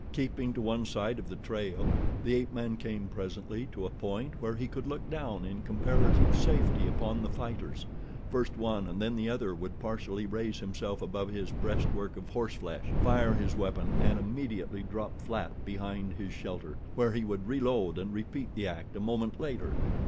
Keeping to one side of the trail, the ape man came presently to a point where he could look down in comparative safety upon the fighters. First one and then the other would partially raise himself above his breastwork of horseflesh, fire his weapon and immediately drop flat behind his shelter, where he would reload and repeat the act a moment later.